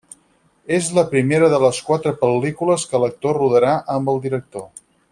És la primera de les quatre pel·lícules que l'actor rodarà amb el director.